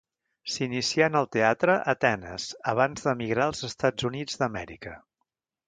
S'inicià en el teatre a Atenes abans d'emigrar als Estats Units d'Amèrica.